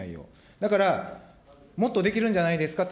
だから、もっとできるんじゃないですかと。